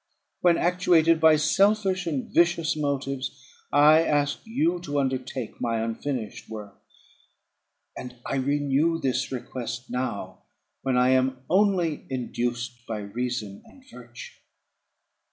When actuated by selfish and vicious motives, I asked you to undertake my unfinished work; and I renew this request now, when I am only induced by reason and virtue.